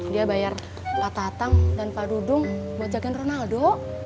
dia bayar pak tatang dan pak dudung bojakin ronaldo